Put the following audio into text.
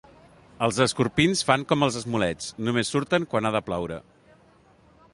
Els escorpins fan com els esmolets: només surten quan ha de ploure.